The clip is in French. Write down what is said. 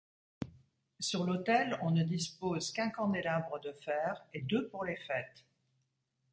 Sur l’autel on ne dispose qu’un candélabre de fer et deux pour les fêtes.